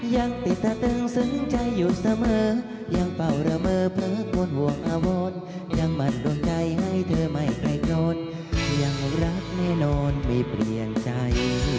ยังติดสะตึงสนใจอยู่เสมอยังเป่าระเมอเผลอคนห่วงอาวรยังมั่นโดนใจให้เธอไม่ไกลจนยังรักแน่นอนไม่เปลี่ยนใจ